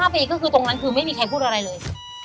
๕ปีก็คือตรงนั้นคือไม่มีใครพูดอะไรเลย